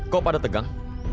kok pada tegang